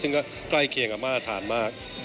ซึ่งก็ใกล้เคียงกับมาตรฐานมาก